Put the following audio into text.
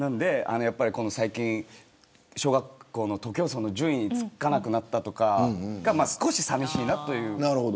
最近、小学校の徒競走の順位が付かなくなったとかそれが少し寂しいなという。